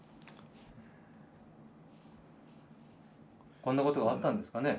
こんなことがあったんですかね。